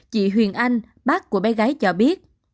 chị huyền anh bác của bé gái cho biết